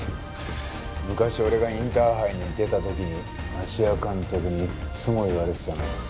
昔俺がインターハイに出た時に芦屋監督にいっつも言われてたな。